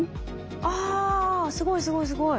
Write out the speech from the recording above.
あすごいすごいすごい。